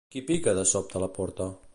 Qui pica de sobte la porta?